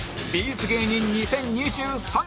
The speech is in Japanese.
’ｚ 芸人２０２３